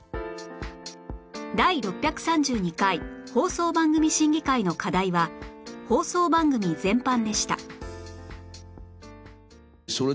第６３２回放送番組審議会の課題は「放送番組全般」でした